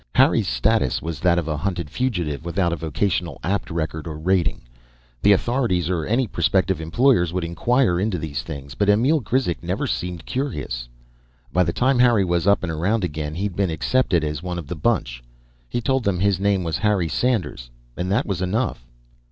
Harry's status was that of a hunted fugitive, without a Vocational Apt record or rating. The authorities or any prospective employers would inquire into these things, but Emil Grizek never seemed curious. By the time Harry was up and around again, he'd been accepted as one of the bunch. He told them his name was Harry Sanders, and that was enough.